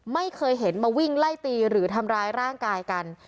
ไม่เคยเห็นมาวิ่งไล่ตีหรือทำร้ายร่างกายกัน